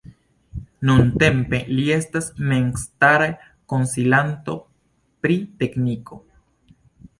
Nuntempe li estas memstara konsilanto pri tekniko.